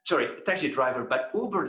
bukan hanya uber yang ingin membunuh uber